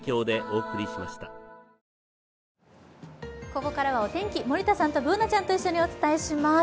ここからはお天気、森田さんとＢｏｏｎａちゃんと一緒にお伝えします。